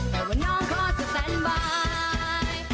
เพราะว่าน้องก็จะแสนบาย